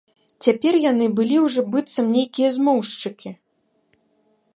Цяпер яны былі ўжо быццам нейкія змоўшчыкі.